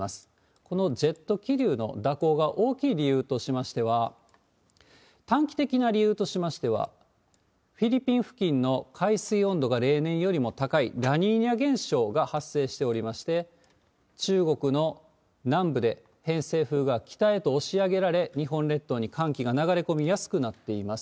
このジェット気流の蛇行が大きい理由としましては、短期的な理由としましては、フィリピン付近の海水温度が例年よりも高いラニーニャ現象が発生しておりまして、中国の南部で偏西風が北へと押し上げられ、日本列島に寒気が流れ込みやすくなっています。